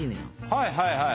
はいはいはいはい。